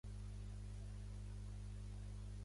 Diumenge en Llop i na Núria voldrien anar a Gorga.